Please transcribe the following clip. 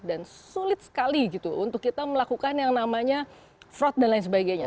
dan sulit sekali gitu untuk kita melakukan yang namanya fraud dan lain sebagainya